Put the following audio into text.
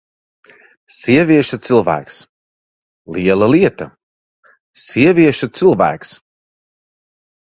Sievieša cilvēks! Liela lieta: sievieša cilvēks!